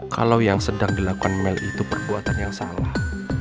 kalau yang sedang dilakukan mel itu perbuatan yang salah